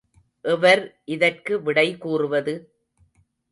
எவர் இதற்கு விடை கூறுவது?